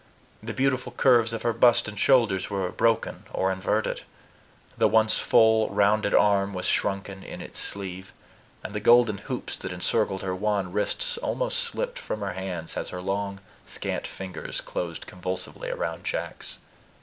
The beautiful curves of her bust and shoulders were broken or inverted. The once full, rounded arm was shrunken in its sleeve; and the golden hoops that encircled her wan wrists almost slipped from her hands as her long, scant fingers closed convulsively around Jack's.